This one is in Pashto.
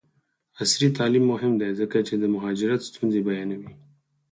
عصري تعلیم مهم دی ځکه چې د مهاجرت ستونزې بیانوي.